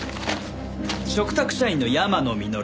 嘱託社員の山野稔さん。